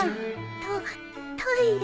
トトイレ。